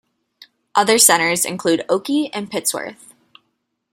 Other centres include Oakey and Pittsworth.